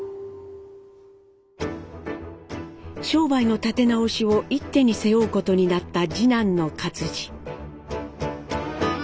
商売の立て直しを一手に背負うことになった次男の克爾。